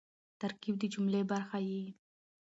ترکیب د جملې برخه يي.